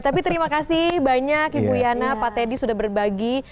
tapi terima kasih banyak ibu yana pak teddy sudah berbagi